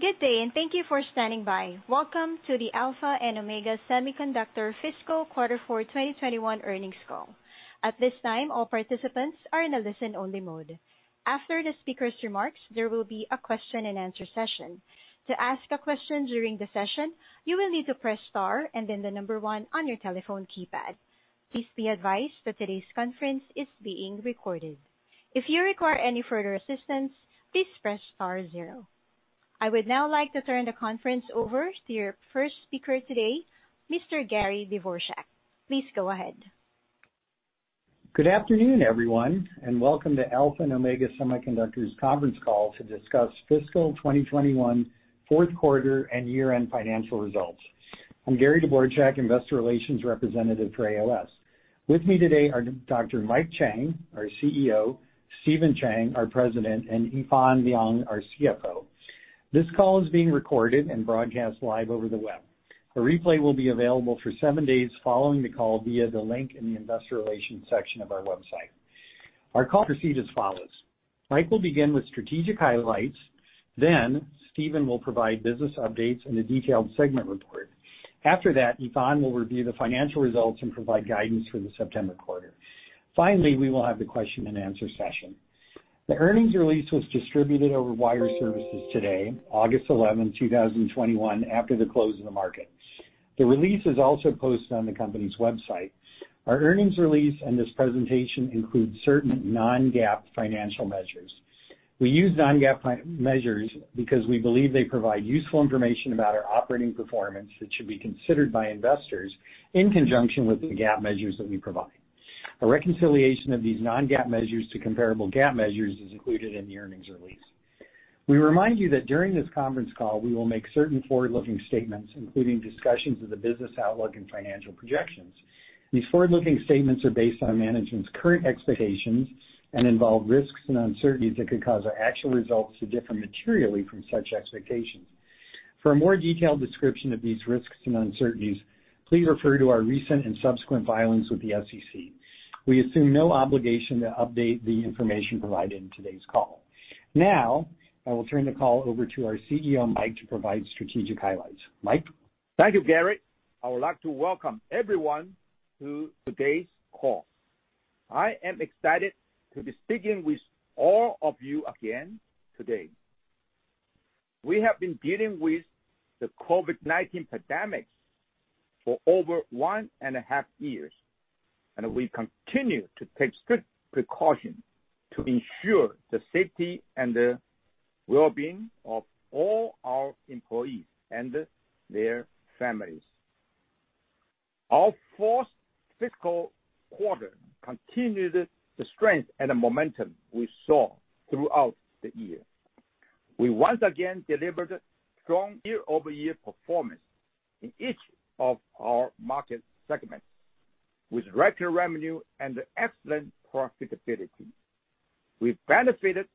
Good day. Thank you for standing by. Welcome to the Alpha and Omega Semiconductor fiscal quarter four 2021 earnings call. At this time, all participants are in a listen-only mode. After the speakers' remarks, there will be a question-and-answer session. To ask a question during the session, you will need to press star and then the number one on your telephone keypad. Please be advised that today's conference is being recorded. If you require any further assistance, please press star zero. I would now like to turn the conference over to your first speaker today, Mr. Gary Dvorchak. Please go ahead. Good afternoon, everyone, and welcome to Alpha and Omega Semiconductor's conference call to discuss fiscal 2021 fourth quarter and year-end financial results. I'm Gary Dvorchak, Investor Relations Representative for AOS. With me today are Dr. Mike Chang, our CEO, Stephen Chang, our President, and Yifan Liang, our CFO. This call is being recorded and broadcast live over the web. A replay will be available for seven days following the call via the link in the investor relations section of our website. Our call will proceed as follows. Mike will begin with strategic highlights, then Stephen will provide business updates and a detailed segment report. After that, Yifan will review the financial results and provide guidance for the September quarter. Finally, we will have the question-and-answer session. The earnings release was distributed over wire services today, August 11, 2021, after the close of the market. The release is also posted on the company's website. Our earnings release and this presentation include certain non-GAAP financial measures. We use non-GAAP measures because we believe they provide useful information about our operating performance that should be considered by investors in conjunction with the GAAP measures that we provide. A reconciliation of these non-GAAP measures to comparable GAAP measures is included in the earnings release. We remind you that during this conference call, we will make certain forward-looking statements, including discussions of the business outlook and financial projections. These forward-looking statements are based on management's current expectations and involve risks and uncertainties that could cause our actual results to differ materially from such expectations. For a more detailed description of these risks and uncertainties, please refer to our recent and subsequent filings with the SEC. We assume no obligation to update the information provided in today's call. Now, I will turn the call over to our CEO, Mike, to provide strategic highlights. Mike? Thank you, Gary. I would like to welcome everyone to today's call. I am excited to be speaking with all of you again today. We have been dealing with the COVID-19 pandemic for over one and a half years, and we continue to take good precaution to ensure the safety and the well-being of all our employees and their families. Our fourth fiscal quarter continued the strength and the momentum we saw throughout the year. We once again delivered strong year-over-year performance in each of our market segments, with record revenue and excellent profitability. We benefited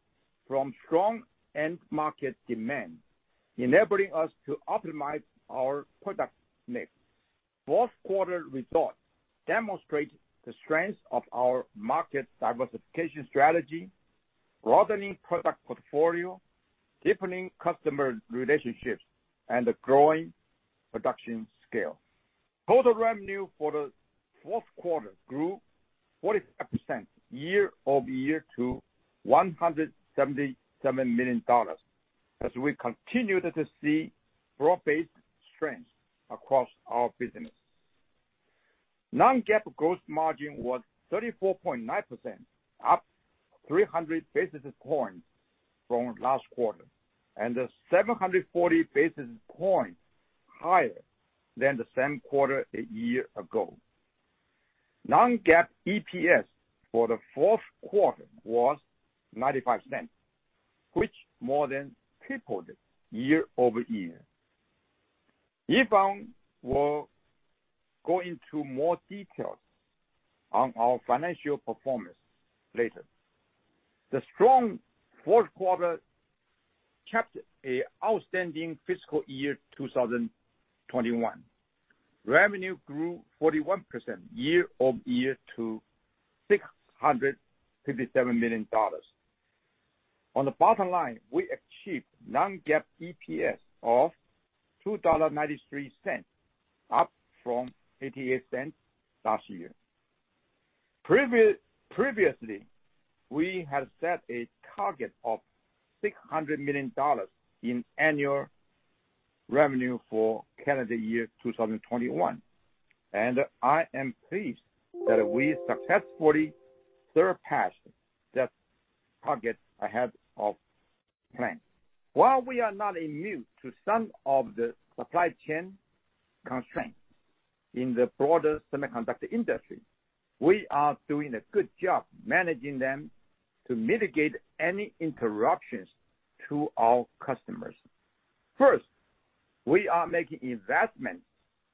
from strong end market demand, enabling us to optimize our product mix. Fourth quarter results demonstrate the strength of our market diversification strategy, broadening product portfolio, deepening customer relationships, and a growing production scale. Total revenue for the fourth quarter grew 45% year-over-year to $177 million, as we continued to see broad-based strength across our business. non-GAAP gross margin was 34.9%, up 300 basis points from last quarter, and 740 basis points higher than the same quarter a year ago. non-GAAP EPS for the fourth quarter was $0.95, which more than tripled year-over-year. Yifan will go into more details on our financial performance later. The strong fourth quarter capped a outstanding fiscal year 2021. Revenue grew 41% year-over-year to $657 million. On the bottom line, we achieved non-GAAP EPS of $2.93, up from $0.88 last year. Previously, we had set a target of $600 million in annual revenue for calendar year 2021. I am pleased that we successfully surpassed that target ahead of plan. While we are not immune to some of the supply chain constraints in the broader semiconductor industry, we are doing a good job managing them to mitigate any interruptions to our customers. First, we are making investments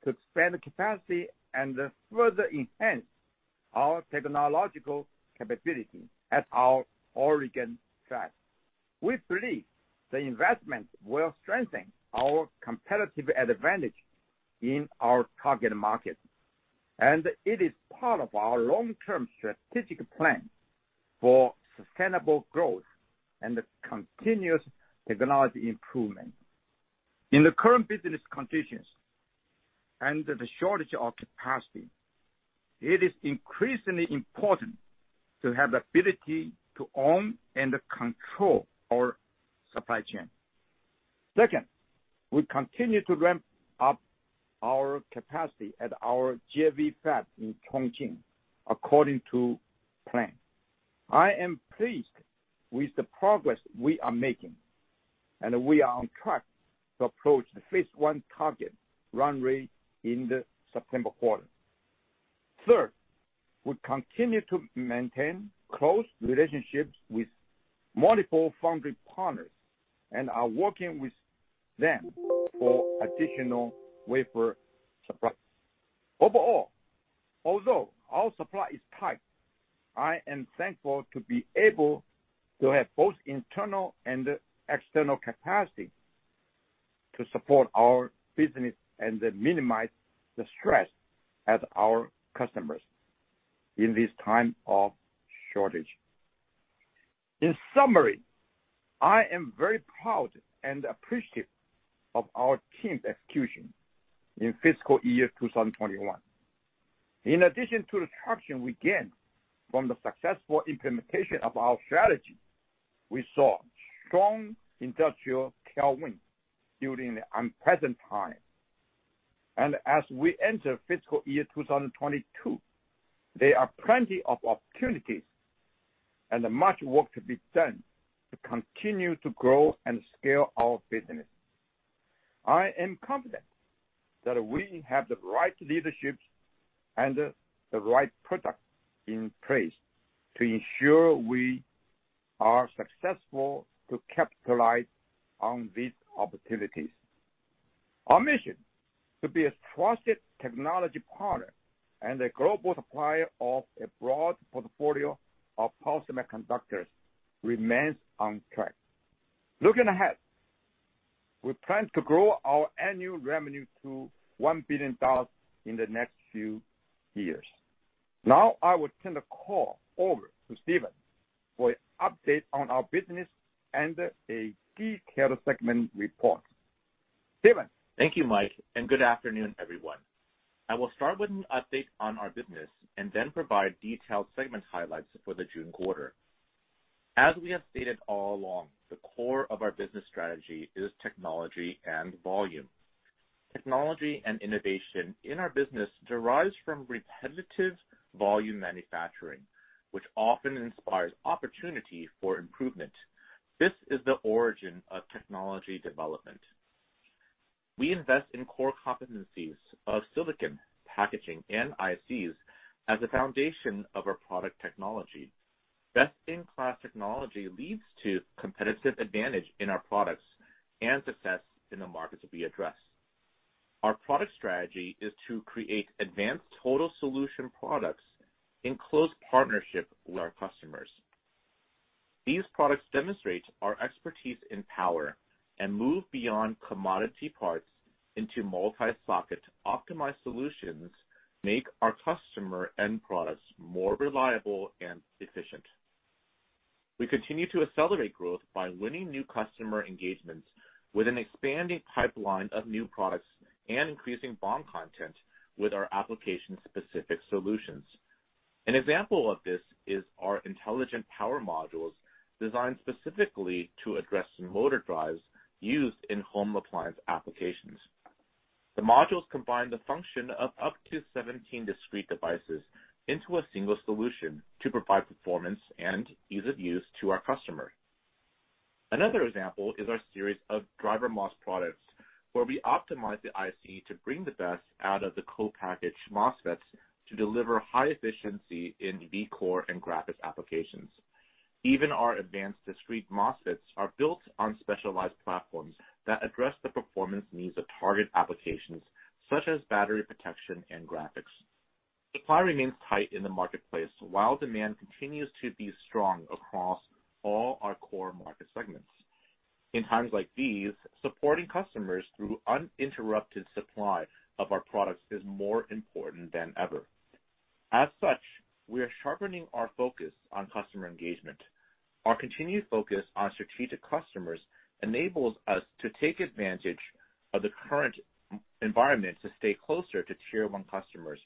to expand capacity and further enhance our technological capability at our Oregon site. We believe the investment will strengthen our competitive advantage in our target market. It is part of our long-term strategic plan for sustainable growth and continuous technology improvement. In the current business conditions and the shortage of capacity, it is increasingly important to have the ability to own and control our supply chain. Second, we continue to ramp up our capacity at our JV fab in Chongqing according to plan. I am pleased with the progress we are making, and we are on track to approach the phase I target run rate in the September quarter. Third, we continue to maintain close relationships with multiple foundry partners and are working with them for additional wafer supply. Overall, although our supply is tight, I am thankful to be able to have both internal and external capacity to support our business and minimize the stress at our customers in this time of shortage. In summary, I am very proud and appreciative of our team's execution in fiscal year 2021. In addition to the traction we gained from the successful implementation of our strategy, we saw strong industrial tailwind during the unpleasant time. As we enter fiscal year 2022, there are plenty of opportunities and much work to be done to continue to grow and scale our business. I am confident that we have the right leadership and the right product in place to ensure we are successful to capitalize on these opportunities. Our mission to be a trusted technology partner and a global supplier of a broad portfolio of power semiconductors remains on track. Looking ahead, we plan to grow our annual revenue to $1 billion in the next few years. Now I will turn the call over to Stephen for an update on our business and a key head of segment report. Stephen? Thank you, Mike. Good afternoon, everyone. I will start with an update on our business and then provide detailed segment highlights for the June quarter. As we have stated all along, the core of our business strategy is technology and volume. Technology and innovation in our business derives from repetitive volume manufacturing, which often inspires opportunity for improvement. This is the origin of technology development. We invest in core competencies of silicon, packaging, and ICs as a foundation of our product technology. Best-in-class technology leads to competitive advantage in our products and success in the markets we address. Our product strategy is to create advanced total solution products in close partnership with our customers. These products demonstrate our expertise in power and move beyond commodity parts into multi-socket optimized solutions, make our customer end products more reliable and efficient. We continue to accelerate growth by winning new customer engagements with an expanding pipeline of new products and increasing BOM content with our application-specific solutions. An example of this is our intelligent power modules designed specifically to address motor drives used in home appliance applications. The modules combine the function of up to 17 discrete devices into a single solution to provide performance and ease of use to our customer. Another example is our series of DrMOS products, where we optimize the IC to bring the best out of the co-package MOSFETs to deliver high efficiency in Vcore and graphics applications. Even our advanced discrete MOSFETs are built on specialized platforms that address the performance needs of target applications such as battery protection and graphics. Supply remains tight in the marketplace while demand continues to be strong across all our core market segments. In times like these, supporting customers through uninterrupted supply of our products is more important than ever. As such, we are sharpening our focus on customer engagement. Our continued focus on strategic customers enables us to take advantage of the current environment to stay closer to Tier 1 customers,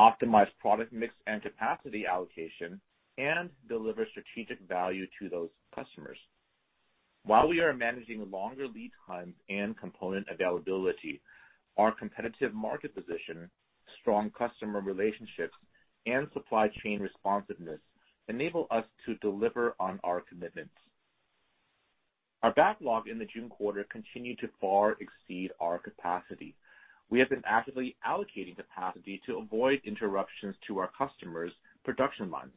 optimize product mix and capacity allocation, and deliver strategic value to those customers. While we are managing longer lead times and component availability, our competitive market position, strong customer relationships, and supply chain responsiveness enable us to deliver on our commitments. Our backlog in the June quarter continued to far exceed our capacity. We have been actively allocating capacity to avoid interruptions to our customers' production lines,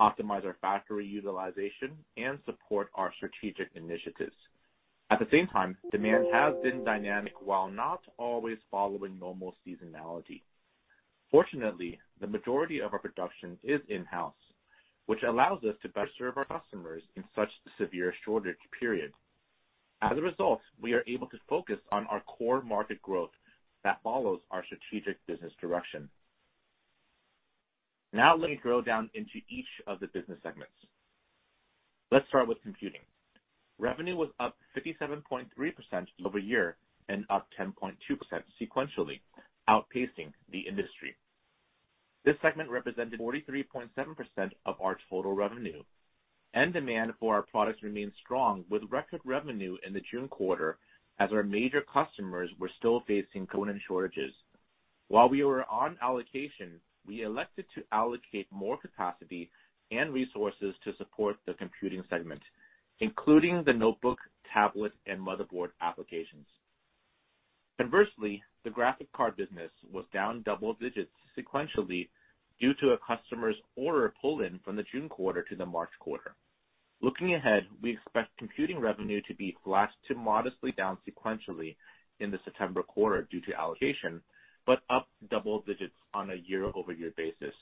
optimize our factory utilization, and support our strategic initiatives. At the same time, demand has been dynamic while not always following normal seasonality. Fortunately, the majority of our production is in-house, which allows us to best serve our customers in such severe shortage periods. As a result, we are able to focus on our core market growth that follows our strategic business direction. Now let me drill down into each of the business segments. Let's start with computing. Revenue was up 57.3% year-over-year and up 10.2% sequentially, outpacing the industry. This segment represented 43.7% of our total revenue. End demand for our products remains strong with record revenue in the June quarter as our major customers were still facing component shortages. While we were on allocation, we elected to allocate more capacity and resources to support the computing segment, including the notebook, tablet, and motherboard applications. Conversely, the graphic card business was down double digits sequentially due to a customer's order pull-in from the June quarter to the March quarter. Looking ahead, we expect computing revenue to be flat to modestly down sequentially in the September quarter due to allocation, but up double digits on a year-over-year basis.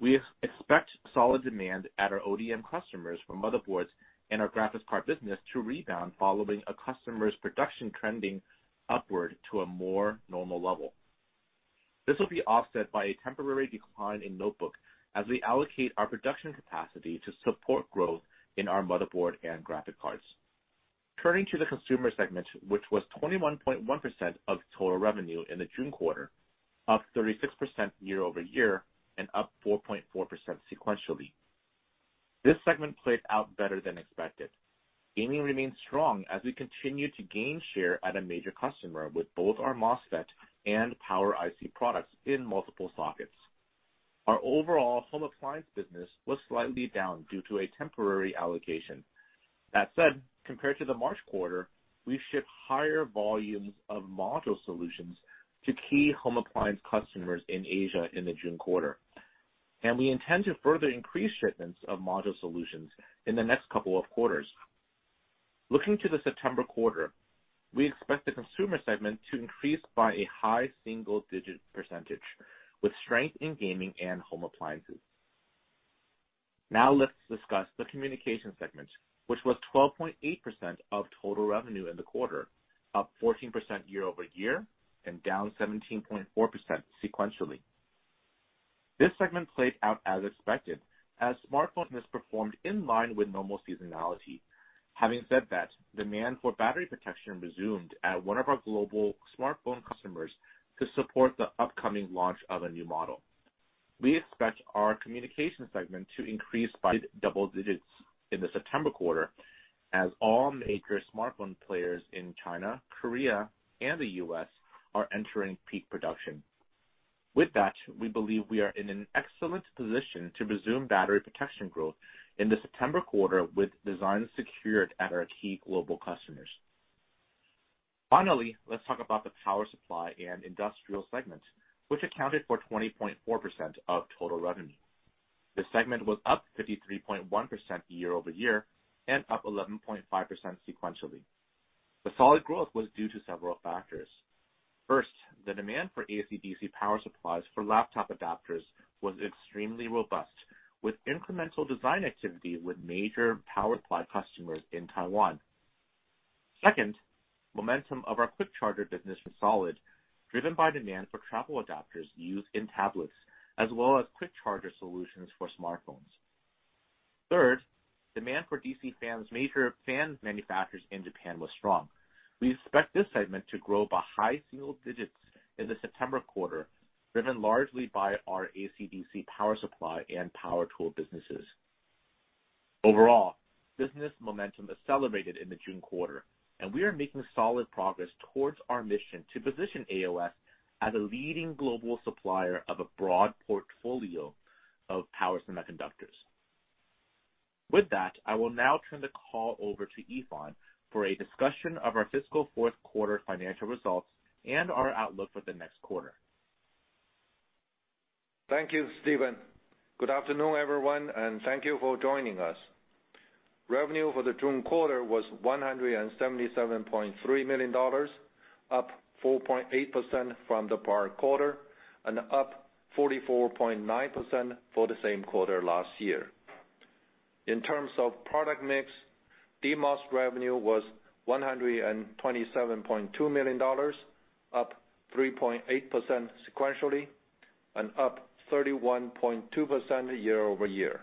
We expect solid demand at our ODM customers for motherboards and our graphics card business to rebound following a customer's production trending upward to a more normal level. This will be offset by a temporary decline in notebook as we allocate our production capacity to support growth in our motherboard and graphic cards. Turning to the consumer segment, which was 21.1% of total revenue in the June quarter, up 36% year-over-year and up 4.4% sequentially. This segment played out better than expected. Gaming remains strong as we continue to gain share at a major customer with both our MOSFET and Power IC products in multiple sockets. Our overall home appliance business was slightly down due to a temporary allocation. That said, compared to the March quarter, we shipped higher volumes of module solutions to key home appliance customers in Asia in the June quarter. We intend to further increase shipments of module solutions in the next couple of quarters. Looking to the September quarter, we expect the consumer segment to increase by a high single-digit percentage, with strength in gaming and home appliances. Now let's discuss the communication segment, which was 12.8% of total revenue in the quarter, up 14% year-over-year and down 17.4% sequentially. This segment played out as expected, as smartphone has performed in line with normal seasonality. Having said that, demand for battery protection resumed at one of our global smartphone customers to support the upcoming launch of a new model. We expect our communication segment to increase by double digits in the September quarter as all major smartphone players in China, Korea, and the U.S. are entering peak production. With that, we believe we are in an excellent position to resume battery protection growth in the September quarter with designs secured at our key global customers. Finally, let's talk about the power supply and industrial segment, which accounted for 20.4% of total revenue. This segment was up 53.1% year-over-year and up 11.5% sequentially. The solid growth was due to several factors. First, the demand for AC-DC power supplies for laptop adapters was extremely robust, with incremental design activity with major power supply customers in Taiwan. Second, momentum of our quick charger business was solid, driven by demand for travel adapters used in tablets, as well as quick charger solutions for smartphones. Third, demand for DC fans' major fan manufacturers in Japan was strong. We expect this segment to grow by high single-digits in the September quarter, driven largely by our AC-DC power supply and power tool businesses. Overall, business momentum accelerated in the June quarter, and we are making solid progress towards our mission to position AOS as a leading global supplier of a broad portfolio of power semiconductors. With that, I will now turn the call over to Yifan for a discussion of our fiscal fourth quarter financial results and our outlook for the next quarter. Thank you, Stephen. Good afternoon, everyone, and thank you for joining us. Revenue for the June quarter was $177.3 million, up 4.8% from the prior quarter and up 44.9% for the same quarter last year. In terms of product mix, DMOS revenue was $127.2 million, up 3.8% sequentially and up 31.2% year-over-year.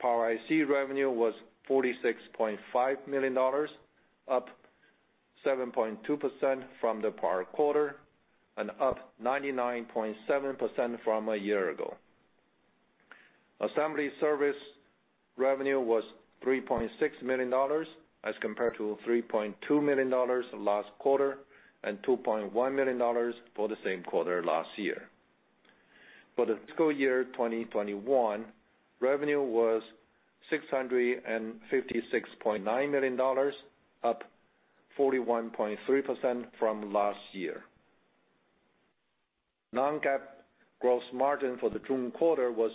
Power IC revenue was $46.5 million, up 7.2% from the prior quarter and up 99.7% from a year ago. Assembly service revenue was $3.6 million as compared to $3.2 million last quarter and $2.1 million for the same quarter last year. For the fiscal year 2021, revenue was $656.9 million, up 41.3% from last year. Non-GAAP gross margin for the June quarter was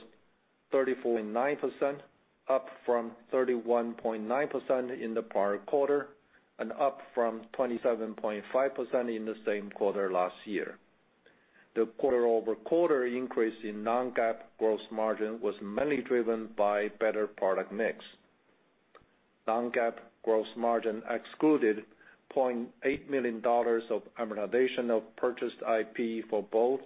34.9%, up from 31.9% in the prior quarter and up from 27.5% in the same quarter last year. The quarter-over-quarter increase in non-GAAP gross margin was mainly driven by better product mix. Non-GAAP gross margin excluded $0.8 million of amortization of purchased IP for both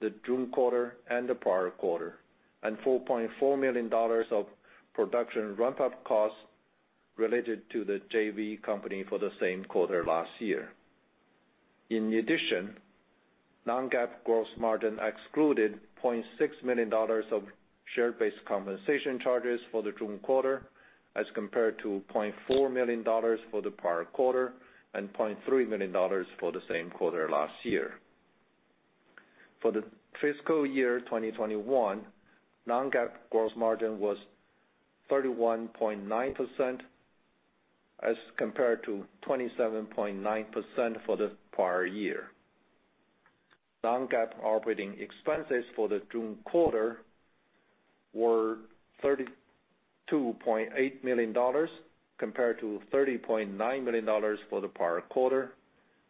the June quarter and the prior quarter, and $4.4 million of production ramp-up costs related to the JV company for the same quarter last year. In addition, non-GAAP gross margin excluded $0.6 million of share-based compensation charges for the June quarter, as compared to $0.4 million for the prior quarter, and $0.3 million for the same quarter last year. For the fiscal year 2021, non-GAAP gross margin was 31.9% as compared to 27.9% for the prior year. Non-GAAP operating expenses for the June quarter were $32.8 million, compared to $30.9 million for the prior quarter,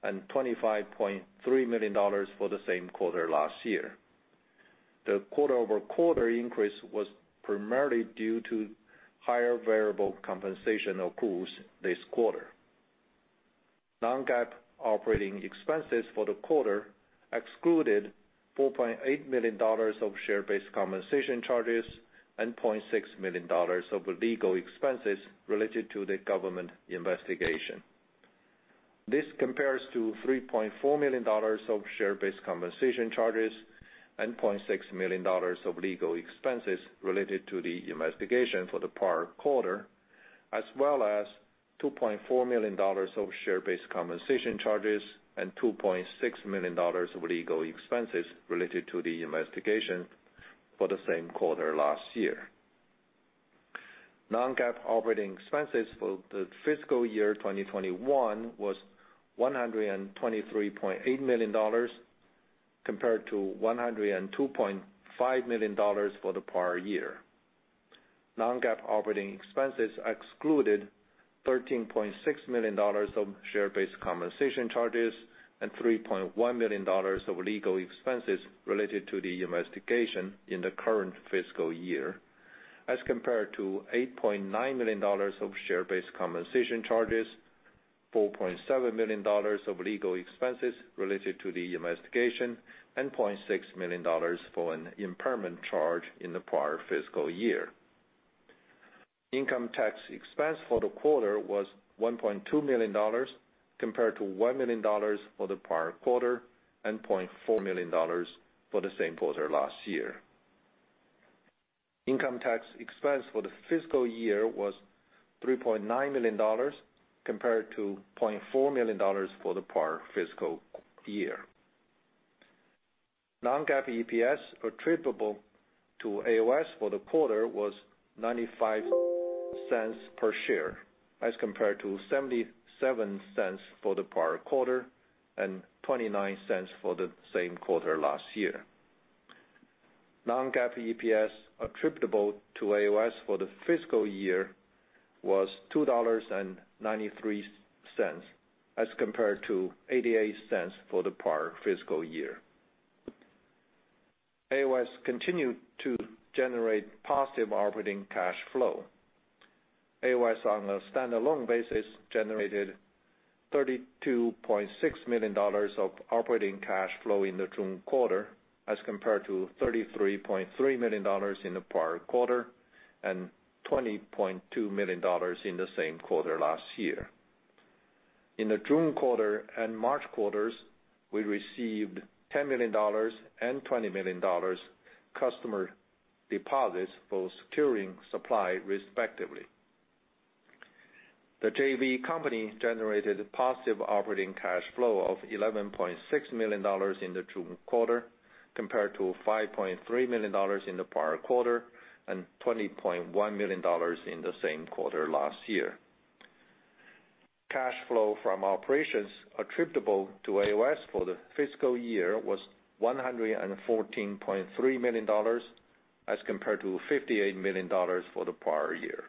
and $25.3 million for the same quarter last year. The quarter-over-quarter increase was primarily due to higher variable compensation accruals this quarter. Non-GAAP operating expenses for the quarter excluded $4.8 million of share-based compensation charges and $0.6 million of legal expenses related to the government investigation. This compares to $3.4 million of share-based compensation charges and $0.6 million of legal expenses related to the investigation for the prior quarter, as well as $2.4 million of share-based compensation charges and $2.6 million of legal expenses related to the investigation for the same quarter last year. Non-GAAP operating expenses for the fiscal year 2021 was $123.8 million compared to $102.5 million for the prior year. Non-GAAP operating expenses excluded $13.6 million of share-based compensation charges and $3.1 million of legal expenses related to the investigation in the current fiscal year, as compared to $8.9 million of share-based compensation charges, $4.7 million of legal expenses related to the investigation, and $0.6 million for an impairment charge in the prior fiscal year. Income tax expense for the quarter was $1.2 million, compared to $1 million for the prior quarter, and $0.4 million for the same quarter last year. Income tax expense for the fiscal year was $3.9 million, compared to $0.4 million for the prior fiscal year. Non-GAAP EPS attributable to AOS for the quarter was $0.95 per share, as compared to $0.77 for the prior quarter and $0.29 for the same quarter last year. Non-GAAP EPS attributable to AOS for the fiscal year was $2.93 as compared to $0.88 for the prior fiscal year. AOS continued to generate positive operating cash flow. AOS, on a standalone basis, generated $32.6 million of operating cash flow in the June quarter, as compared to $33.3 million in the prior quarter, and $20.2 million in the same quarter last year. In the June quarter and March quarters, we received $10 million and $20 million customer deposits for securing supply, respectively. The JV company generated positive operating cash flow of $11.6 million in the June quarter, compared to $5.3 million in the prior quarter, and $20.1 million in the same quarter last year. Cash flow from operations attributable to AOS for the fiscal year was $114.3 million as compared to $58 million for the prior year.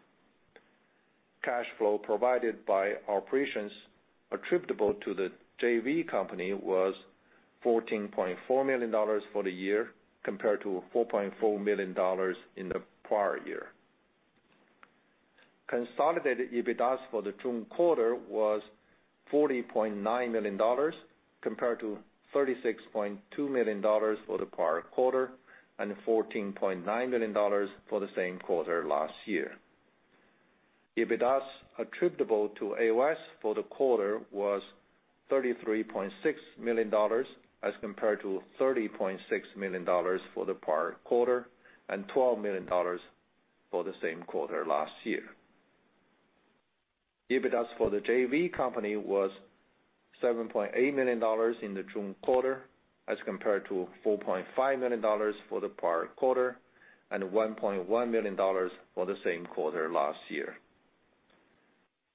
Cash flow provided by operations attributable to the JV company was $14.4 million for the year compared to $4.4 million in the prior year. Consolidated EBITDA for the June quarter was $40.9 million, compared to $36.2 million for the prior quarter, and $14.9 million for the same quarter last year. EBITDA attributable to AOS for the quarter was $33.6 million as compared to $30.6 million for the prior quarter, and $12 million for the same quarter last year. EBITDA for the JV company was $7.8 million in the June quarter as compared to $4.5 million for the prior quarter, and $1.1 million for the same quarter last year.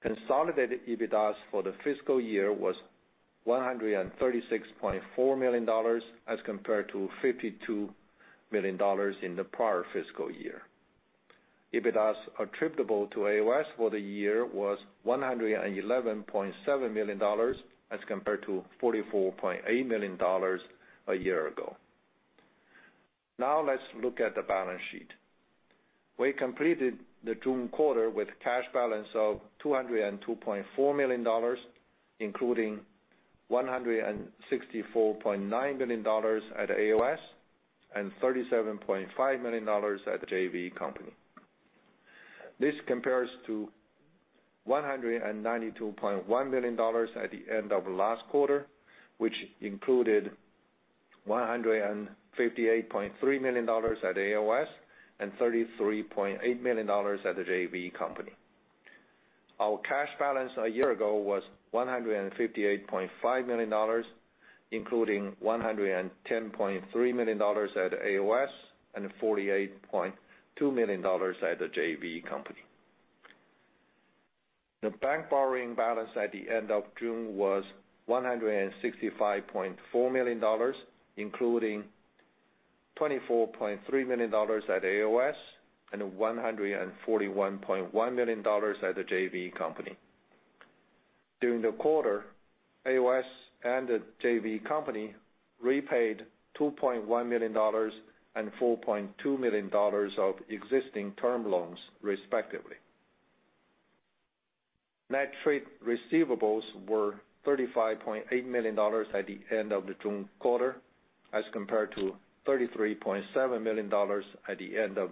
Consolidated EBITDA for the fiscal year was $136.4 million as compared to $52 million in the prior fiscal year. EBITDA's attributable to AOS for the year was $111.7 million as compared to $44.8 million a year ago. Let's look at the balance sheet. We completed the June quarter with cash balance of $202.4 million, including $164.9 million at AOS and $37.5 million at the JV company. This compares to $192.1 million at the end of last quarter, which included $158.3 million at AOS and $33.8 million at the JV company. Our cash balance a year ago was $158.5 million, including $110.3 million at AOS and $48.2 million at the JV company. The bank borrowing balance at the end of June was $165.4 million, including $24.3 million at AOS and $141.1 million at the JV company. During the quarter, AOS and the JV company repaid $2.1 million and $4.2 million of existing term loans, respectively. Net trade receivables were $35.8 million at the end of the June quarter, as compared to $33.7 million at the end of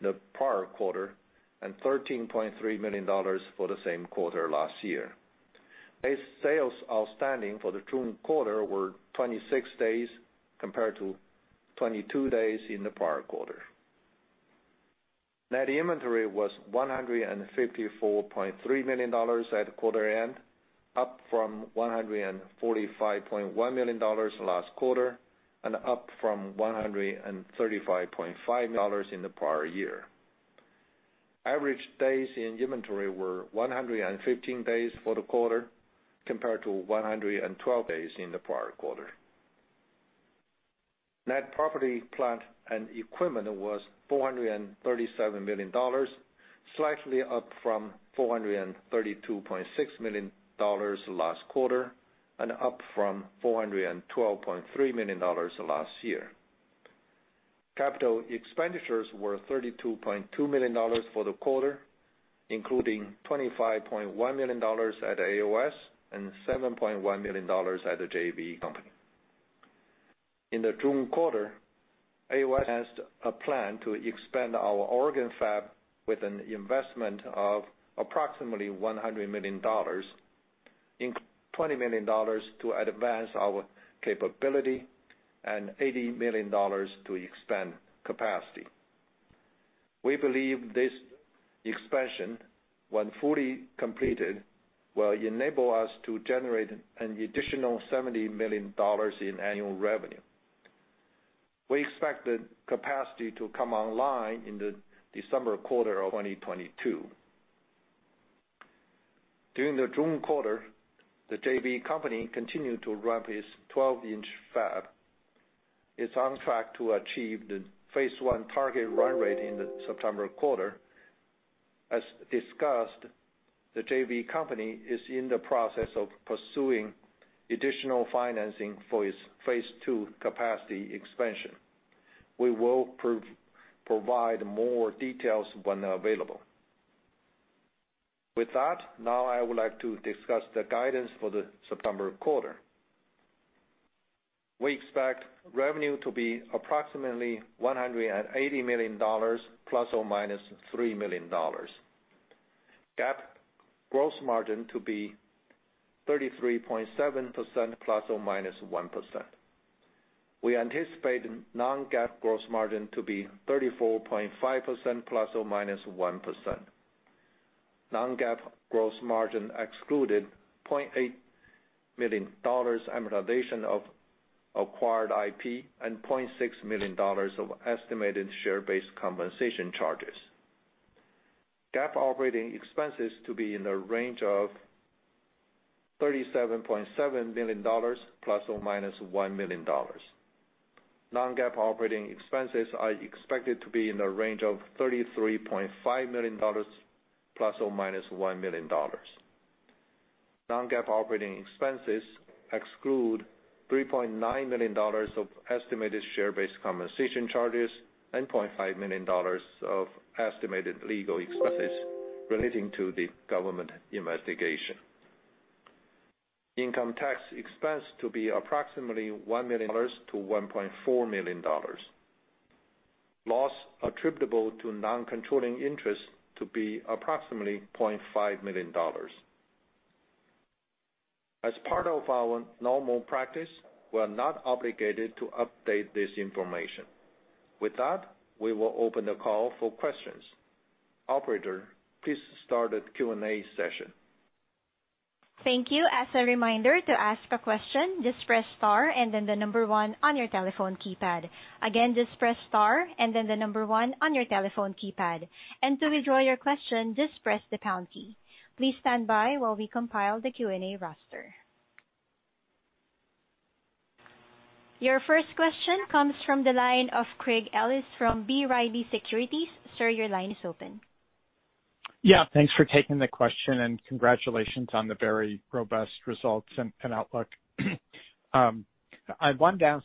the prior quarter and $13.3 million for the same quarter last year. Day sales outstanding for the June quarter were 26 days, compared to 22 days in the prior quarter. Net inventory was $154.3 million at quarter end, up from $145.1 million last quarter and up from $135.5 million in the prior year. Average days in inventory were 115 days for the quarter, compared to 112 days in the prior quarter. Net property, plant, and equipment was $437 million, slightly up from $432.6 million last quarter and up from $412.3 million last year. Capital expenditures were $32.2 million for the quarter, including $25.1 million at AOS and $7.1 million at the JV company. In the June quarter, AOS has a plan to expand our Oregon fab with an investment of approximately $100 million, in $20 million to advance our capability and $80 million to expand capacity. We believe this expansion, when fully completed, will enable us to generate an additional $70 million in annual revenue. We expect the capacity to come online in the December quarter of 2022. During the June quarter, the JV company continued to ramp its 12 in fab. It's on track to achieve the phase one target run rate in the September quarter. As discussed, the JV company is in the process of pursuing additional financing for its phase two capacity expansion. We will provide more details when available. Now I would like to discuss the guidance for the September quarter. We expect revenue to be approximately $180 million ±$3 million. GAAP gross margin to be 33.7% ±1%. We anticipate non-GAAP gross margin to be 34.5% ±1%. Non-GAAP gross margin excluded $0.8 million amortization of acquired IP and $0.6 million of estimated share-based compensation charges. GAAP operating expenses to be in the range of $37.7 million ±$1 million. Non-GAAP operating expenses are expected to be in the range of $33.5 million ±$1 million. Non-GAAP operating expenses exclude $3.9 million of estimated share-based compensation charges and $0.5 million of estimated legal expenses relating to the government investigation. Income tax expense to be approximately $1 million-$1.4 million. Loss attributable to non-controlling interests to be approximately $0.5 million. As part of our normal practice, we're not obligated to update this information. With that, we will open the call for questions. Operator, please start the Q&A session. Thank you. As a reminder to ask a question just press star and then the number one on your telephone keypad. Again just press star and then the number one on your telephone keypad. To withdraw your question just press the pound key. Please stand by while we compile the Q&A roster. Your first question comes from the line of Craig Ellis from B. Riley Securities. Sir, your line is open. Yeah, thanks for taking the question, and congratulations on the very robust results and outlook. I wanted to ask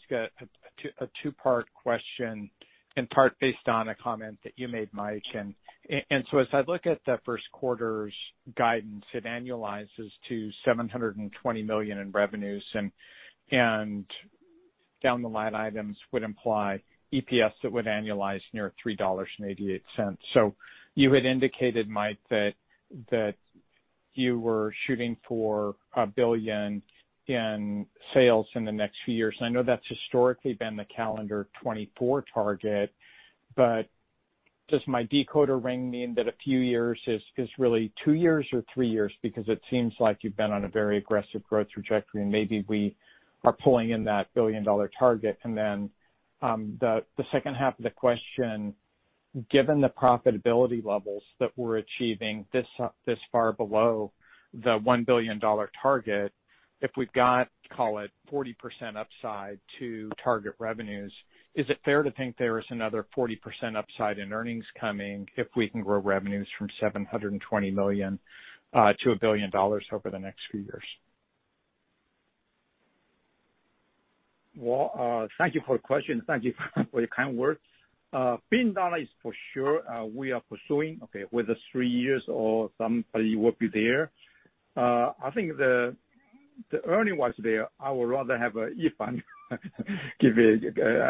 a two-part question, in part based on a comment that you made, Mike. As I look at the first quarter's guidance, it annualizes to $720 million in revenues, and down the line items would imply EPS that would annualize near $3.88. You had indicated, Mike, that you were shooting for $1 billion in sales in the next few years. I know that's historically been the calendar 2024 target, does my decoder ring mean that a few years is really two years or three years? Because it seems like you've been on a very aggressive growth trajectory, and maybe we are pulling in that billion-dollar target. The second half of the question, given the profitability levels that we're achieving this far below the $1 billion target, if we've got, call it 40% upside to target revenues, is it fair to think there is another 40% upside in earnings coming if we can grow revenues from $720 million-$1 billion over the next few years? Thank you for the question. Thank you for your kind words. Billion dollar is for sure we are pursuing, okay, whether it's three years or somebody will be there. I think the earnings-wise there, I would rather have Yifan give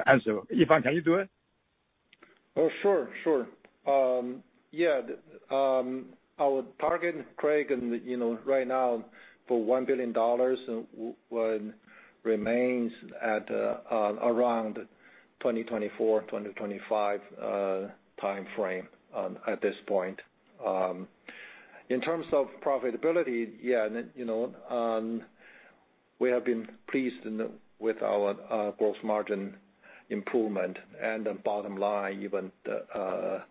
answer. Yifan, can you do it? Oh, sure. Yeah. Our target, Craig, right now for $1 billion remains at around 2024, 2025 timeframe at this point. In terms of profitability, yeah, we have been pleased with our gross margin improvement and the bottom line, even the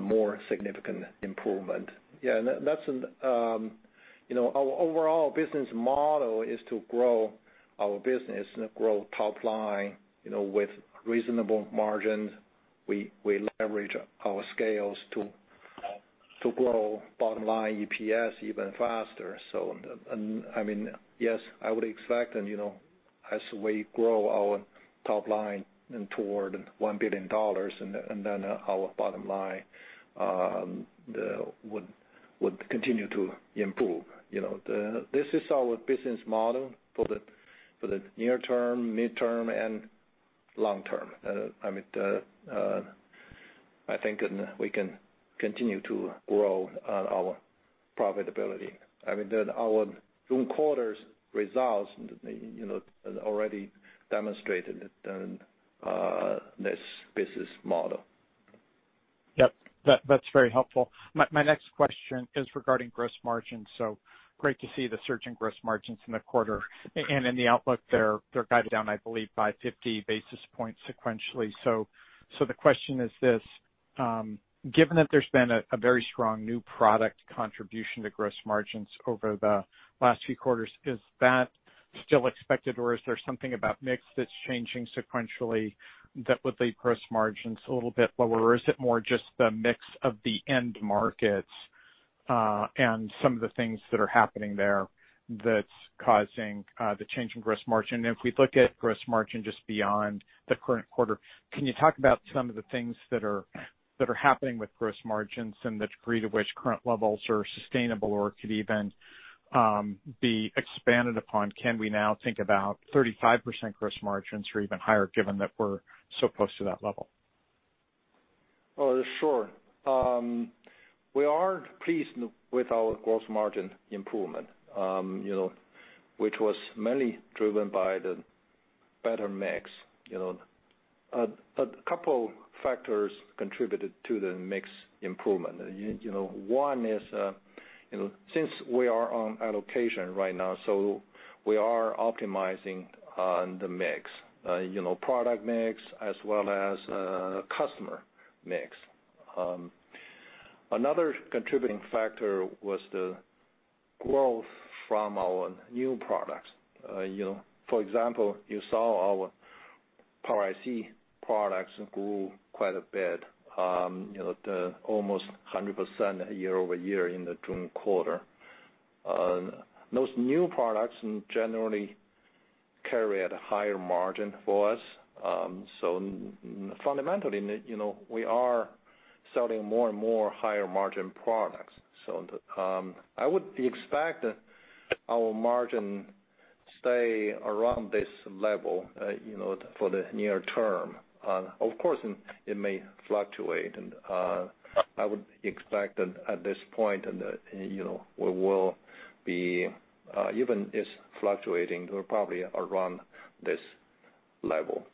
more significant improvement. Yeah, our overall business model is to grow our business and grow top line with reasonable margins. We leverage our scales to grow bottom line EPS even faster. Yes, I would expect as we grow our top line toward $1 billion and then our bottom line would continue to improve. This is our business model for the near term, midterm, and long term. I think we can continue to grow our profitability. Our June quarter's results has already demonstrated this business model. Yep, that's very helpful. My next question is regarding gross margins. Great to see the surge in gross margins in the quarter and in the outlook. They're guided down, I believe, 550 basis points sequentially. The question is this: Given that there's been a very strong new product contribution to gross margins over the last few quarters, is that still expected, or is there something about mix that's changing sequentially that would leave gross margins a little bit lower? Is it more just the mix of the end markets, and some of the things that are happening there that's causing the change in gross margin? If we look at gross margin just beyond the current quarter, can you talk about some of the things that are happening with gross margins and the degree to which current levels are sustainable or could even be expanded upon? Can we now think about 35% gross margins or even higher, given that we're so close to that level? Sure. We are pleased with our gross margin improvement, which was mainly driven by the better mix. A couple factors contributed to the mix improvement. One is, since we are on allocation right now, we are optimizing the mix, product mix as well as customer mix. Another contributing factor was the growth from our new products. For example, you saw our Power IC products grew quite a bit, almost 100% year-over-year in the June quarter. Those new products generally carry at a higher margin for us. Fundamentally, we are selling more and more higher margin products. I would expect our margin stay around this level for the near term. Of course, it may fluctuate, I would expect that at this point, even if fluctuating, we're probably around this level.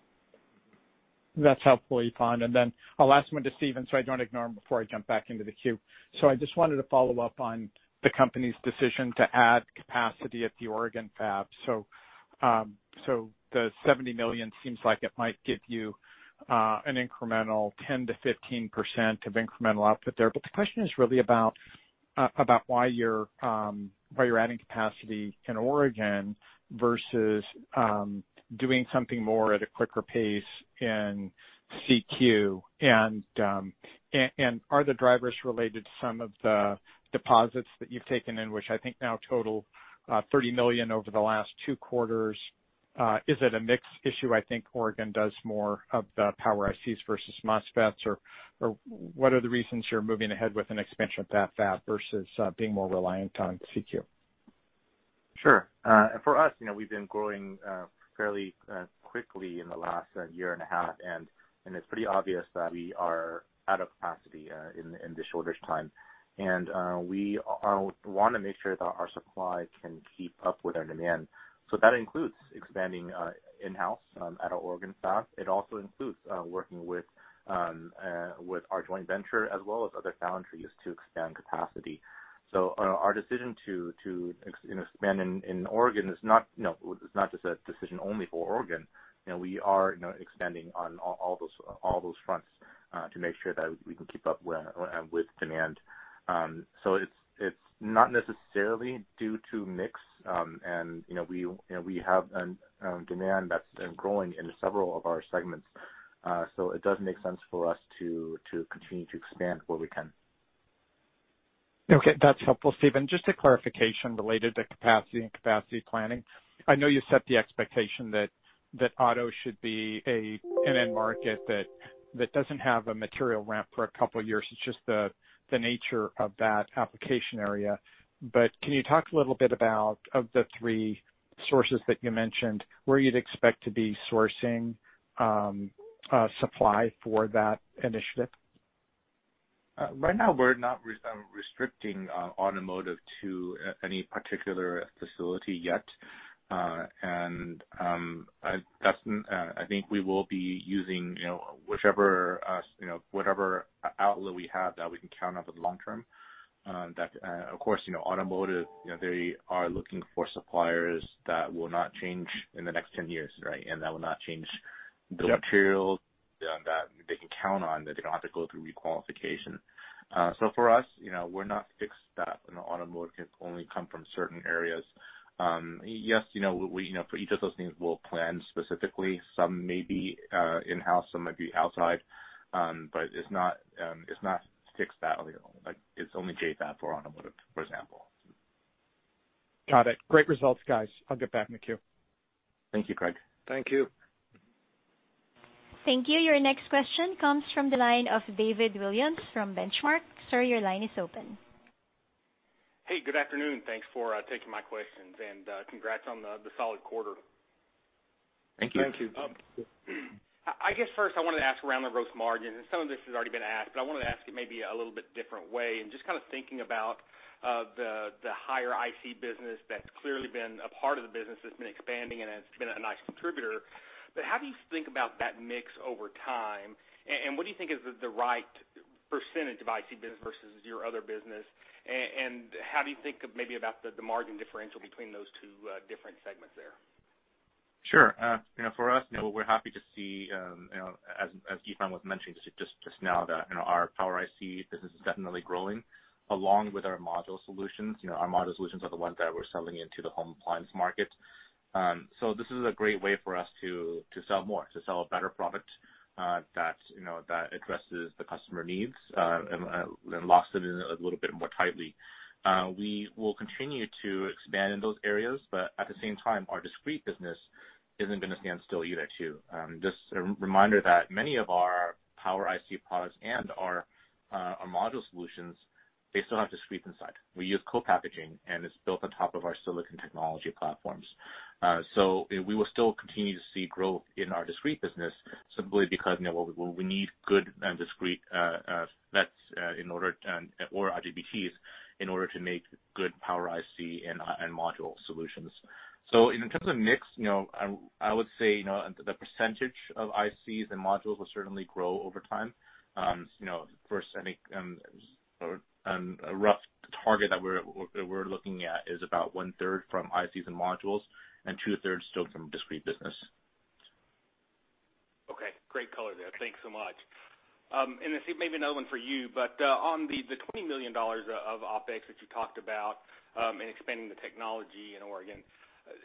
That's helpful, Yifan. A last one to Stephen, so I don't ignore him before I jump back into the queue. I just wanted to follow up on the company's decision to add capacity at the Oregon fab. The $70 million seems like it might give you an incremental 10%-15% of incremental output there. The question is really about why you're adding capacity in Oregon versus doing something more at a quicker pace in CQ, and are the drivers related to some of the deposits that you've taken in, which I think now total $30 million over the last two quarters? Is it a mix issue? I think Oregon does more of the Power ICs versus MOSFETs, or what are the reasons you're moving ahead with an expansion at fab versus being more reliant on CQ? Sure. For us, we've been growing fairly quickly in the last year and a half. It's pretty obvious that we are out of capacity in this shortage time. We want to make sure that our supply can keep up with our demand. That includes expanding in-house at our Oregon fab. It also includes working with our joint venture as well as other foundries to expand capacity. Our decision to expand in Oregon is not just a decision only for Oregon. We are expanding on all those fronts to make sure that we can keep up with demand. It's not necessarily due to mix, and we have demand that's been growing in several of our segments. It does make sense for us to continue to expand where we can. Okay, that's helpful, Stephen. Just a clarification related to capacity and capacity planning. I know you set the expectation that auto should be an end market that doesn't have a material ramp for a couple of years. It's just the nature of that application area. Can you talk a little bit about, of the three sources that you mentioned, where you'd expect to be sourcing supply for that initiative? Right now, we're not restricting automotive to any particular facility yet. I think we will be using whatever outlet we have that we can count on for the long term. Of course, automotive, they are looking for suppliers that will not change in the next 10 years, right? Yep the material that they can count on, that they don't have to go through re-qualification. For us, we're not fixed that automotive can only come from certain areas. Yes, for each of those things, we'll plan specifically. Some may be in-house, some might be outside. It's not fixed that it's only JV fab for automotive, for example. Got it. Great results, guys. I'll get back in the queue. Thank you, Craig. Thank you. Thank you. Your next question comes from the line of David Williams from Benchmark. Sir, your line is open. Hey, good afternoon. Thanks for taking my questions, and congrats on the solid quarter. Thank you. Thank you. I guess first I wanted to ask around the gross margin, and some of this has already been asked, but I wanted to ask it maybe a little bit different way and just kind of thinking about the higher IC business that's clearly been a part of the business that's been expanding and has been a nice contributor. How do you think about that mix over time, and what do you think is the right percentage of IC business versus your other business? How do you think of maybe about the margin differential between those two different segments there? Sure. For us, we're happy to see, as Yifan was mentioning just now, that our Power IC business is definitely growing along with our module solutions. Our module solutions are the ones that we're selling into the home appliance market. This is a great way for us to sell more, to sell a better product that addresses the customer needs and locks it in a little bit more tightly. We will continue to expand in those areas, at the same time, our discrete business isn't going to stand still either, too. Just a reminder that many of our Power IC products and our module solutions, they still have discrete inside. We use co-packaging, it's built on top of our silicon technology platforms. We will still continue to see growth in our discrete business simply because we need good discrete FETs or IGBTs in order to make good Power IC and module solutions. In terms of mix, I would say the percentage of ICs and modules will certainly grow over time. For a rough target that we're looking at is about one-third from ICs and modules and two-thirds still from discrete business. Okay, great color there. Thanks so much. This may be another one for you, but on the $20 million of OpEx that you talked about in expanding the technology in Oregon,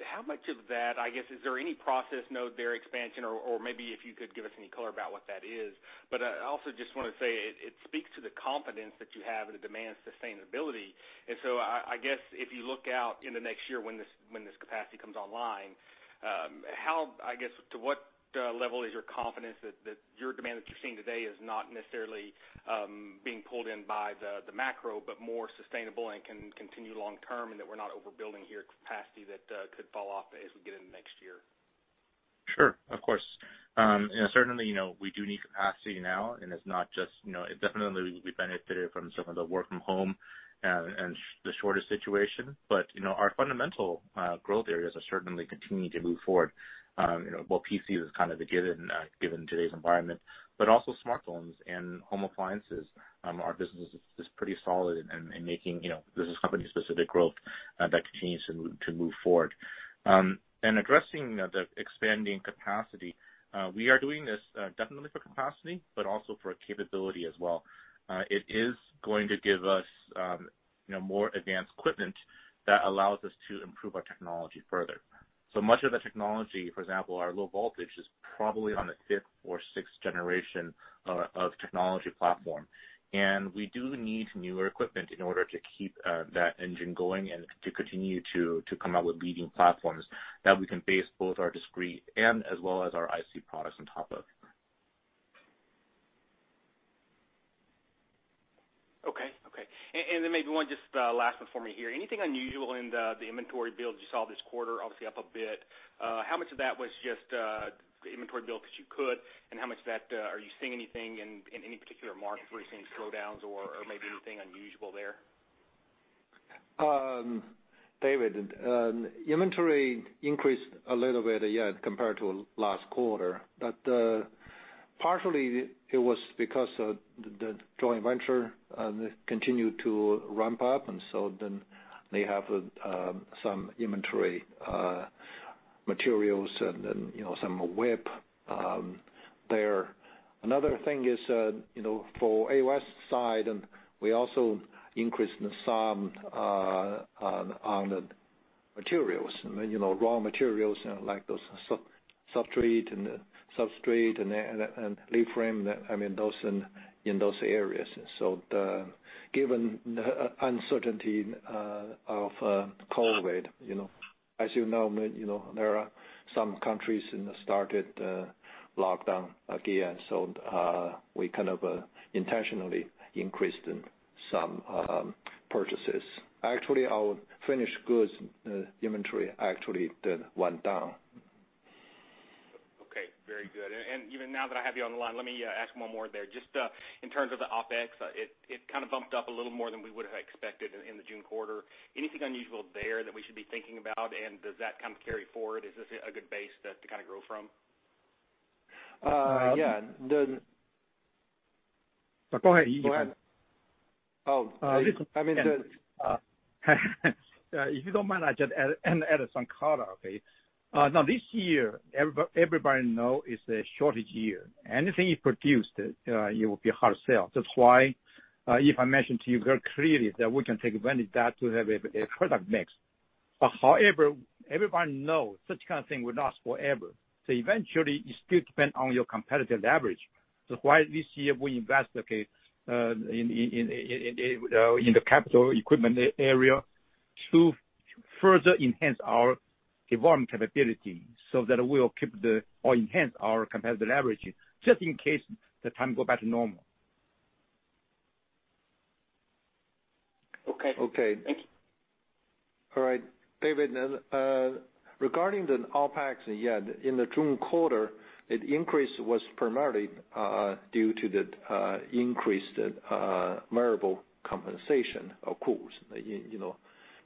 how much of that, I guess, is there any process node there expansion or maybe if you could give us any color about what that is? I also just want to say it speaks to the confidence that you have in the demand sustainability. I guess if you look out in the next year when this capacity comes online, I guess, to what level is your confidence that your demand that you're seeing today is not necessarily being pulled in by the macro, but more sustainable and can continue long term and that we're not overbuilding here capacity that could fall off as we get into next year? Sure, of course. Certainly, we do need capacity now, and definitely we benefited from some of the work from home and the shortage situation, but our fundamental growth areas are certainly continuing to move forward. While PC is kind of a given today's environment, but also smartphones and home appliances, our business is pretty solid and making business company specific growth. That continues to move forward. Addressing the expanding capacity, we are doing this definitely for capacity, but also for capability as well. It is going to give us more advanced equipment that allows us to improve our technology further. Much of the technology, for example, our low voltage, is probably on the fifth or sixth generation of technology platform. We do need newer equipment in order to keep that engine going and to continue to come out with leading platforms that we can base both our discrete and as well as our IC products on top of. Okay. Maybe one just last one for me here. Anything unusual in the inventory build you saw this quarter? Obviously up a bit. How much of that was just the inventory build that you could, and how much of that are you seeing anything in any particular market where you're seeing slowdowns or maybe anything unusual there? David, inventory increased a little bit, yeah, compared to last quarter. Partially it was because the joint venture continued to ramp up, and so then they have some inventory materials and then some WIP there. Another thing is for AOS side, we also increased some on the materials, raw materials like those substrate and lead frame, those in those areas. Given the uncertainty of COVID, as you know, there are some countries started lockdown again, so we kind of intentionally increased some purchases. Actually, our finished goods inventory actually did went down. Okay, very good. Even now that I have you on the line, let me ask one more there. Just in terms of the OpEx, it kind of bumped up a little more than we would have expected in the June quarter. Anything unusual there that we should be thinking about? Does that kind of carry forward? Is this a good base to grow from? Yeah. The- Go ahead. Go ahead. Oh, I mean. If you don't mind, I just add some color, okay? Now this year, everybody know it's a shortage year. Anything you produced, it will be hard sell. If I mentioned to you very clearly that we can take advantage that to have a product mix. However, everybody know such kind of thing will last forever. Eventually, it still depend on your competitive leverage. This year we invest, okay, in the capital equipment area to further enhance our advanced capability, so that it will enhance our competitive leverage, just in case the time go back to normal. Okay. Okay. All right, David, regarding the OpEx, yeah, in the June quarter, it increase was primarily due to the increased variable compensation, of course,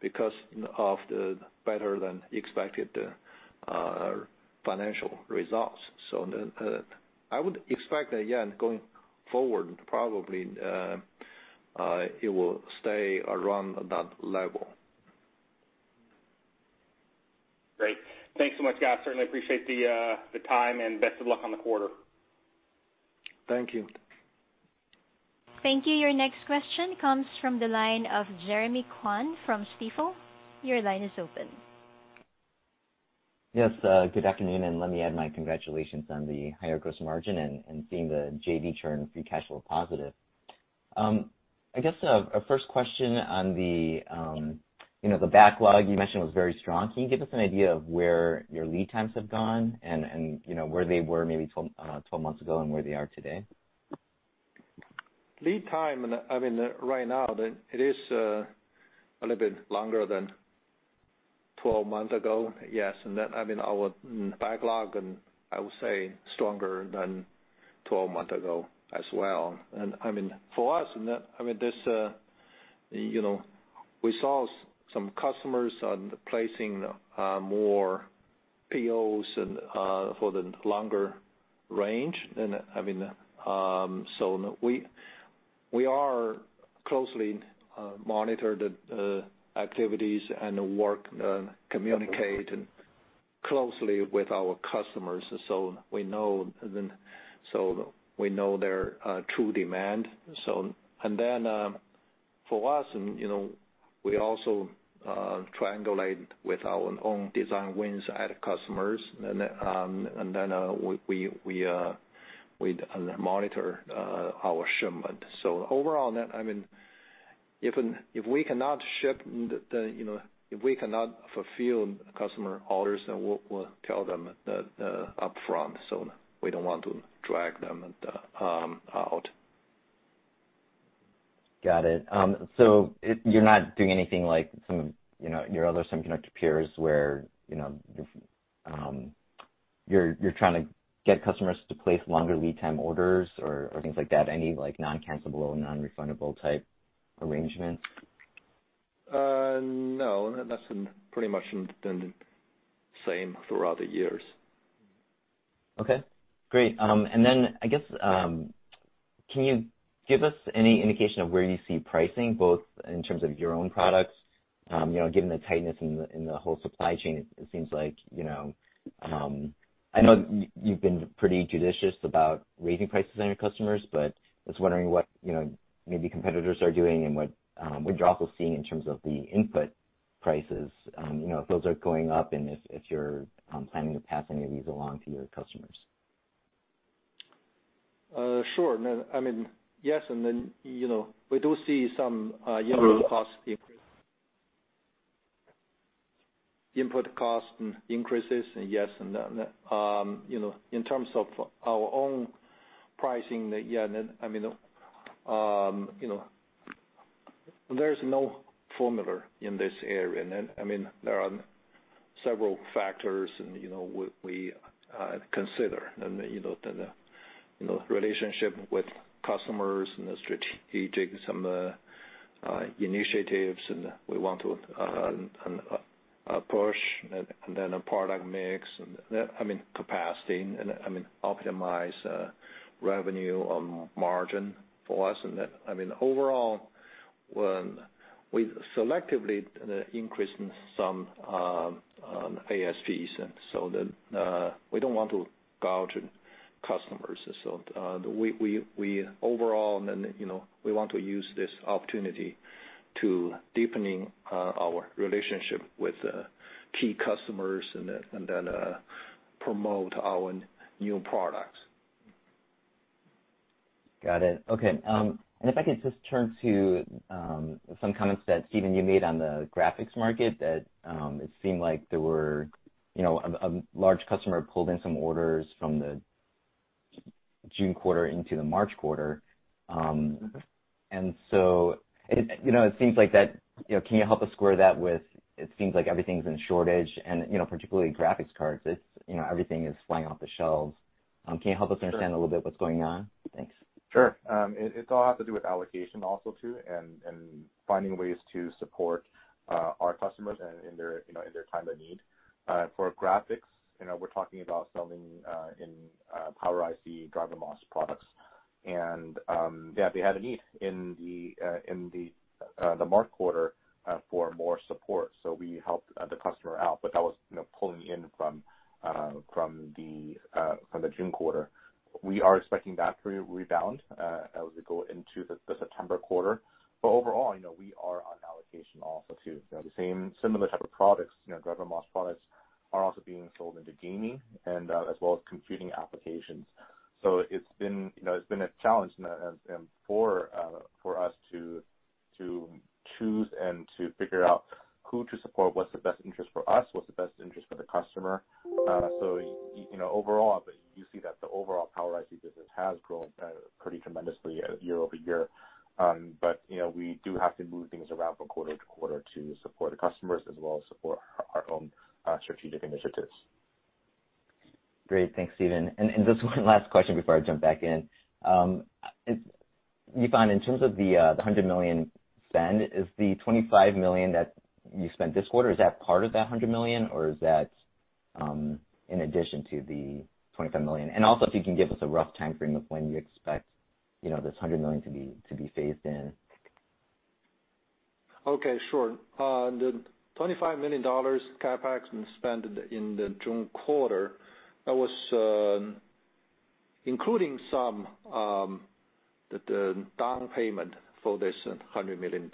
because of the better than expected financial results. I would expect that, yeah, going forward, probably, it will stay around that level. Great. Thanks so much, guys. Certainly appreciate the time and best of luck on the quarter. Thank you. Thank you. Your next question comes from the line of Jeremy Kwan from Stifel. Your line is open. Yes, good afternoon, and let me add my congratulations on the higher gross margin and seeing the JV turn free cash flow positive. I guess a first question on the backlog you mentioned was very strong. Can you give us an idea of where your lead times have gone and where they were maybe 12 months ago and where they are today? Lead time, right now, it is a little bit longer than 12 month ago, yes. Then our backlog, I would say stronger than 12 month ago as well. For us, we saw some customers are placing more POs for the longer range. So we are closely monitor the activities and work, communicate closely with our customers so we know their true demand. Then, for us, we also triangulate with our own design wins at customers, and then we monitor our shipment. Overall, if we cannot ship, if we cannot fulfill customer orders, then we'll tell them upfront. We don't want to drag them out. Got it. You're not doing anything like some of your other semiconductor peers, where you're trying to get customers to place longer lead time orders or things like that? Any non-cancellable, non-refundable type arrangements? No. That's pretty much been the same throughout the years. Okay, great. I guess, can you give us any indication of where you see pricing, both in terms of your own products, given the tightness in the whole supply chain? I know you've been pretty judicious about raising prices on your customers, I was wondering what maybe competitors are doing and what you all are seeing in terms of the input prices, if those are going up and if you're planning to pass any of these along to your customers. Sure. Yes, and then, we do see some input cost increases. Yes, in terms of our own pricing, there's no formula in this area. There are several factors we consider. The relationship with customers and the strategic some initiatives and we want to push, and then a product mix, and capacity, and optimize revenue margin for us. Overall, we selectively increase some ASPs so that we don't want to gouge customers. Overall, we want to use this opportunity to deepening our relationship with key customers and then promote our new products. Got it. Okay. If I could just turn to some comments that, Stephen, you made on the graphics market, that it seemed like there were a large customer pulled in some orders from the June quarter into the March quarter. It seems like that. Can you help us square that with, it seems like everything's in shortage and, particularly graphics cards, everything is flying off the shelves? Can you help us understand? Sure a little bit what's going on? Thanks. Sure. It all has to do with allocation also too, and finding ways to support our customers in their time of need. For graphics, we're talking about selling in Power IC DrMOS products. They had a need in the March quarter for more support, so we helped the customer out. That was pulling in from the June quarter. We are expecting that to rebound as we go into the September quarter. Overall, we are on allocation also too. Similar type of products, DrMOS products, are also being sold into gaming as well as computing applications. It's been a challenge for us to choose and to figure out who to support, what's the best interest for us, what's the best interest for the customer. Overall, you see that the overall Power IC business has grown pretty tremendously year-over-year. We do have to move things around from quarter-to-quarter to support the customers, as well as support our own strategic initiatives. Great. Thanks, Stephen. Just one last question before I jump back in. Yifan, in terms of the $100 million spend, is the $25 million that you spent this quarter, is that part of that $100 million, or is that in addition to the $25 million? Also, if you can give us a rough timeframe of when you expect this $100 million to be phased in. The $25 million CapEx spent in the June quarter, that was including some, the down payment for this $100 million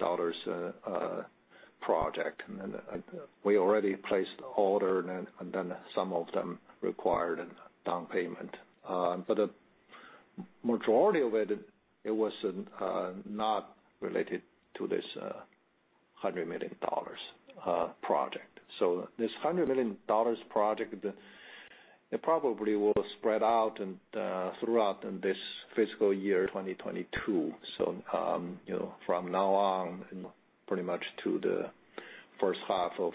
project. We already placed order, some of them required a down payment. A majority of it was not related to this $100 million project. This $100 million project, it probably will spread out throughout this fiscal year 2022. From now on, pretty much to the first half of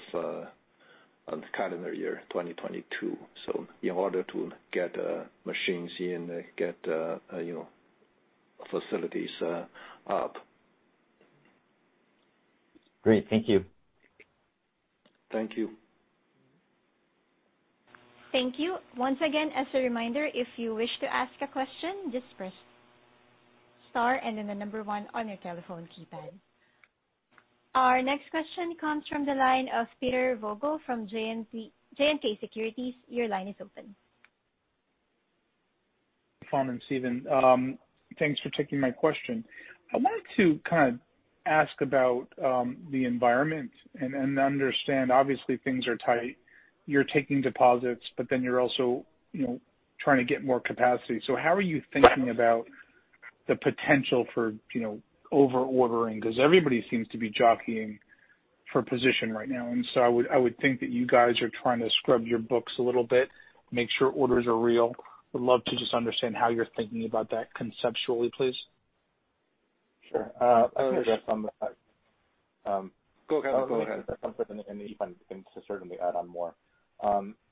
calendar year 2022, in order to get machines in, get facilities up. Great. Thank you. Thank you. Thank you. Once again, as a reminder, if you wish to ask a question, just press star and then the number one on your telephone keypad. Our next question comes from the line of Peter Vogel from JMP Securities. Your line is open. Yifan and Stephen, thanks for taking my question. I wanted to ask about the environment and understand, obviously, things are tight. You're taking deposits, but then you're also trying to get more capacity. How are you thinking about the potential for over-ordering? Everybody seems to be jockeying for position right now, and so I would think that you guys are trying to scrub your books a little bit, make sure orders are real. Would love to just understand how you're thinking about that conceptually, please. Sure. I can address some of that. Go ahead. Yifan can certainly add on more.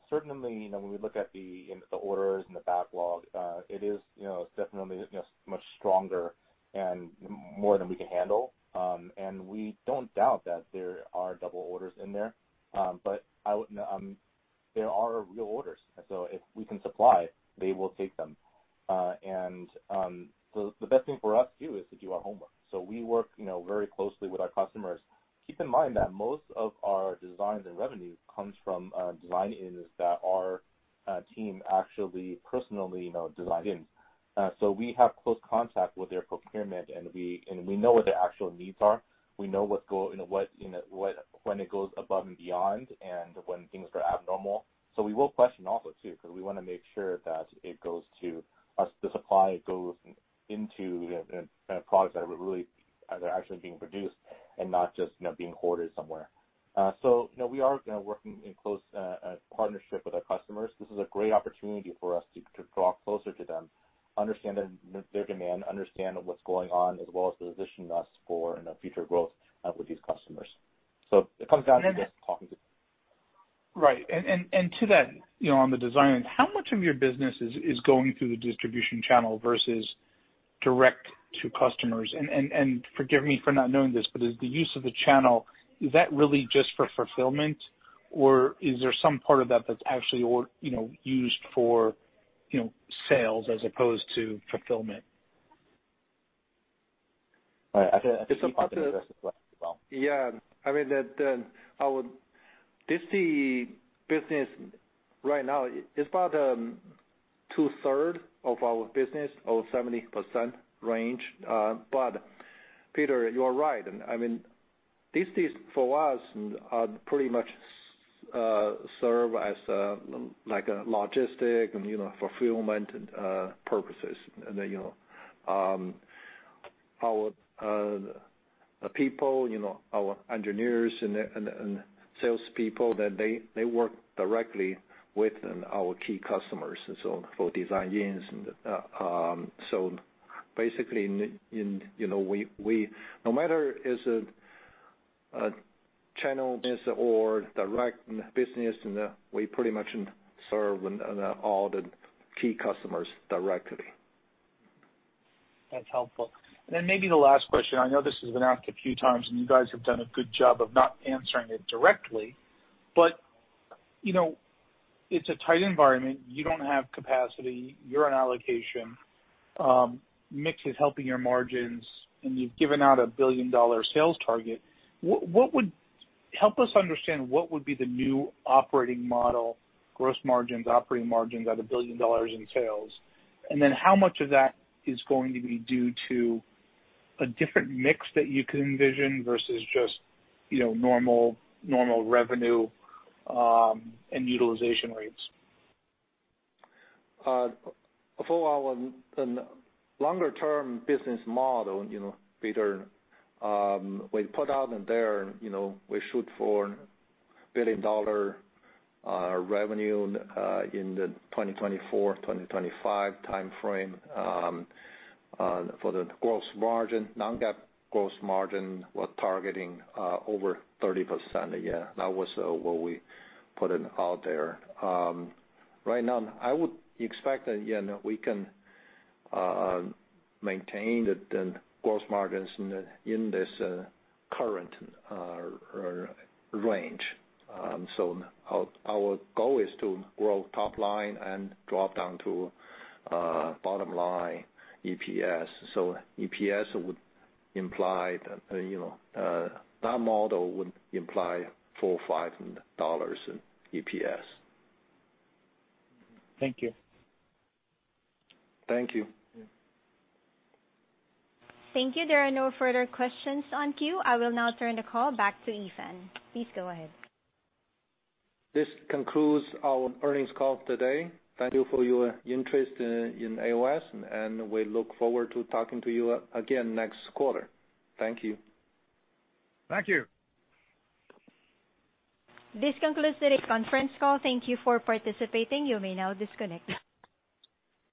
Certainly, when we look at the orders and the backlog, it's definitely much stronger and more than we can handle. We don't doubt that there are double orders in there. There are real orders, if we can supply, they will take them. The best thing for us too is to do our homework. We work very closely with our customers. Keep in mind that most of our designs and revenue comes from design-ins that our team actually personally designed in. We have close contact with their procurement and we know what their actual needs are. We know when it goes above and beyond and when things are abnormal. We will question also too, because we want to make sure that the supply goes into the products that are actually being produced and not just being hoarded somewhere. We are working in close partnership with our customers. This is a great opportunity for us to draw closer to them, understand their demand, understand what's going on, as well as to position us for future growth with these customers. Right. To that, on the design end, how much of your business is going through the distribution channel versus direct to customers? Forgive me for not knowing this, but is the use of the channel, is that really just for fulfillment, or is there some part of that that's actually used for sales as opposed to fulfillment? I think Yip can address this question as well. Yeah. This business right now is about two-thirds of our business, or 70% range. Peter, you are right. These for us, pretty much serve as logistic and fulfillment purposes. Our people, our engineers and salespeople, they work directly with our key customers. For design-ins. Basically, no matter is it a channel business or direct business, we pretty much serve all the key customers directly. That's helpful. Maybe the last question, I know this has been asked a few times, and you guys have done a good job of not answering it directly, but it's a tight environment. You don't have capacity, you're on allocation, mix is helping your margins, and you've given out a billion-dollar sales target. Help us understand what would be the new operating model, gross margins, operating margins at $1 billion in sales. How much of that is going to be due to a different mix that you can envision versus just normal revenue, and utilization rates? For our longer-term business model, Peter, we put out there we shoot for a billion-dollar revenue in the 2024-2025 timeframe. For the non-GAAP gross margin, we're targeting over 30% a year. That was what we put out there. Right now, I would expect that we can maintain the gross margins in this current range. Our goal is to grow top line and drop down to bottom line EPS. That model would imply $4 or $5 in EPS. Thank you. Thank you. Thank you. There are no further questions on queue. I will now turn the call back to Yifan. Please go ahead. This concludes our earnings call today. Thank you for your interest in AOS, and we look forward to talking to you again next quarter. Thank you. Thank you. This concludes today's conference call. Thank you for participating. You may now disconnect.